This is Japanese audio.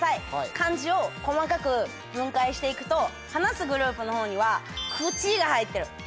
漢字を細かく分解していくと「話す」グループの方には「口」が入ってる。